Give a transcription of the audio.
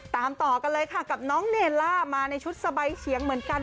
ตามต่อกันเลยค่ะกับน้องเนล่ามาในชุดสบายเฉียงเหมือนกัน